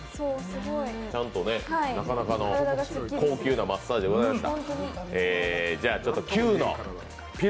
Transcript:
ちゃんとね、なかなか高級なマッサージでございました。